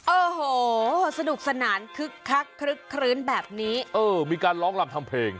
โอ้โหสนุกสนานคึกคักคลึกคลื้นแบบนี้เออมีการร้องรำทำเพลง